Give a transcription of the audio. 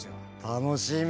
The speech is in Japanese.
楽しみ！